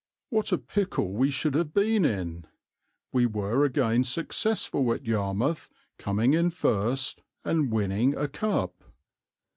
What a pickle we should have been in! We were again successful at Yarmouth, coming in first and winning a cup.